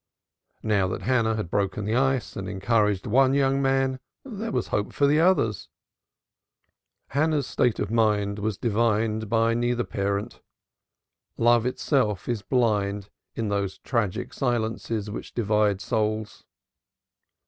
Now that Hannah had broken the ice, and encouraged one young man, there was hope for the others. Hannah's state of mind was divined by neither parent. Love itself is blind in those tragic silences which divide souls.